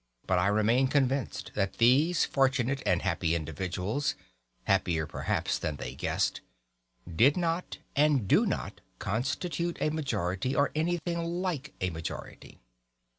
But I remain convinced that these fortunate and happy individuals (happier perhaps than they guessed) did not and do not constitute a majority, or anything like a majority.